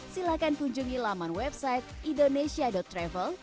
silahkan kunjungi laman website indonesia travel